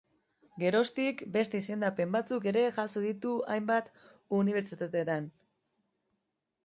Geroztik, beste izendapen batzuk ere jaso ditu hainbat unibertsitatetan.